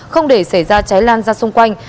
không để xảy ra cháy lan ra xung quanh